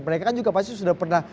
mereka kan juga pasti sudah pernah